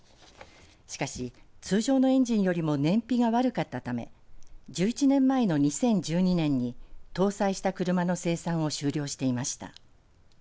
しかし、通常のエンジンよりも燃費が悪かったため１１年前の２０１２年に搭載した車の生産を終了していました。